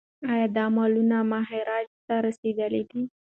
ایا دا مالونه مهاراجا ته رسیدلي دي؟